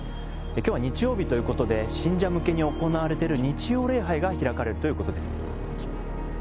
きょうは日曜日ということで、信者向けに行われている日曜礼拝が開かれるということです。